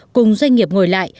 cùng doanh nghiệp ngồi lại